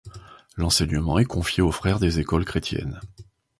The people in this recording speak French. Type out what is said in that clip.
L'enseignement est confié aux Frères des écoles chrétiennes.